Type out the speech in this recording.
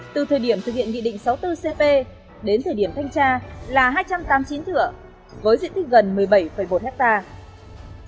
từ thời điểm thực hiện nghị định sáu mươi bốn cp đến thời điểm thanh tra là hai trăm tám mươi chín thửa với diện tích gần một mươi bảy một hectare